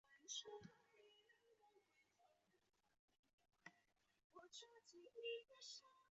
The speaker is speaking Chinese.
后被贬为蒲州同知。